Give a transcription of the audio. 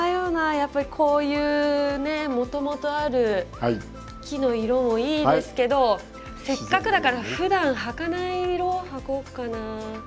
やっぱりこういうねもともとある木の色もいいですけどせっかくだからふだん履かない色履こっかな。